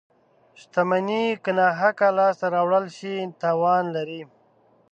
• شتمني که ناحقه لاسته راوړل شي، تاوان لري.